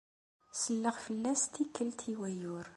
Selleɣ fell-as tikkelt i wayyur.